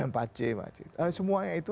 pace macet semuanya itu